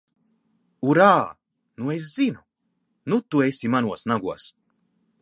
Urā! Nu es zinu! Nu tu esi manos nagos!